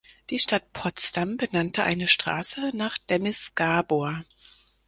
Die Stadt Potsdam benannte eine Straße nach Dennis Gabor.